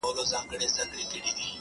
اکثر له دین او له وقاره سره لوبي کوي؛